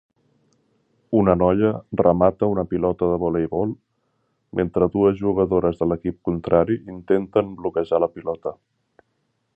Una noia remata una pilota de voleibol mentre dues jugadores de l'equip contrari intenten bloquejar la pilota.